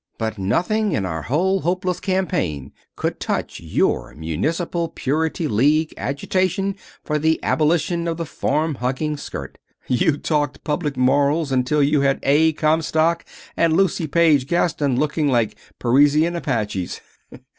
"But nothing in our whole hopeless campaign could touch your Municipal Purity League agitation for the abolition of the form hugging skirt. You talked public morals until you had A. Comstock and Lucy Page Gaston looking like Parisian Apaches."